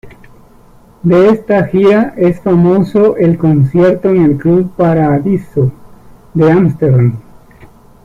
De esta gira es famoso el concierto en el club Paradiso de Ámsterdam.